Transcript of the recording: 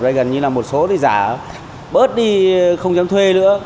đây gần như là một số đi giả bớt đi không dám thuê nữa